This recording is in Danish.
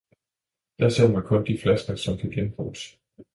Der ser man kun de flasker, som kan genbruges.